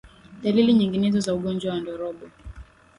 Dalili nyinginezo za ugonjwa wa ndorobo